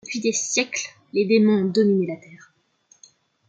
Depuis des siècles, les démons ont dominé la Terre.